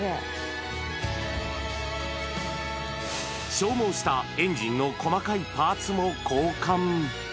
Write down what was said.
消耗したエンジンの細かいパーツも交換。